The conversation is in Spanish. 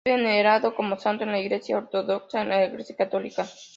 Es venerado como santo en la Iglesia ortodoxa y en la Iglesia católica.